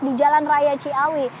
di jalan raya ciawi